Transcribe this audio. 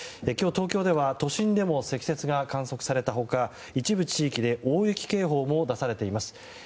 今日、東京では都心でも積雪が観測された他一部地域で大雪警報も出されています。